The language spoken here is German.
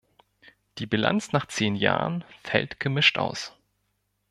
Die Bilanz nach zehn Jahren fällt gemischt aus.